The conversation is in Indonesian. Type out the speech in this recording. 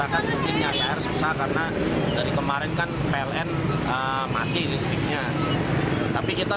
karena dari kemarin kan pln mati listriknya